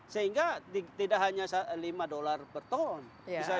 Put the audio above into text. sehingga tidak hanya lima dolar per ton